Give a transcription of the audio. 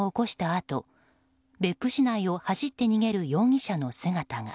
あと別府市内を走って逃げる容疑者の姿が。